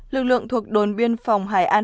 lực lượng thuộc đồn biên phòng hải an